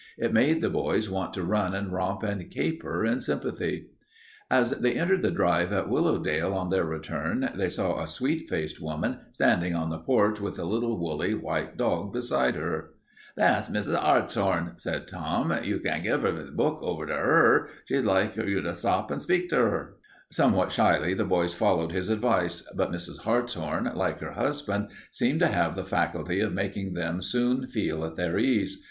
It made the boys want to run and romp and caper in sympathy. As they entered the drive at Willowdale on their return, they saw a sweet faced woman standing on the porch with a little woolly white dog beside her. "That's Mrs. 'Artshorn," said Tom. "You can give the book to 'er. She'd like you to stop and speak to 'er." Somewhat shyly the boys followed his advice, but Mrs. Hartshorn, like her husband, seemed to have the faculty of making them soon feel at their ease.